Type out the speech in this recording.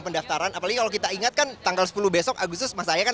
pendaftaran apalagi kalau kita ingat kan tanggal sepuluh besok agustus mas ahaye kan